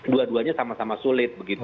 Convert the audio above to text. dua duanya sama sama sulit begitu